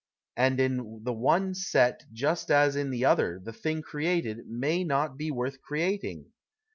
And in the one set just as in the other the thing created may not be worth creating.